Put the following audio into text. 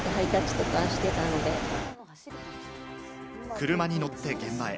車に乗って現場へ。